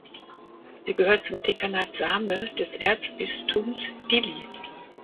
Sie gehört zum Dekanat Same des Erzbistums Dili.